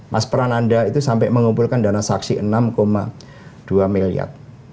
mas peran anda itu sampai mengumpulkan dana saksi enam dua miliar